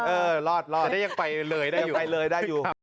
เออรอดแต่ยังไปเลยได้อยู่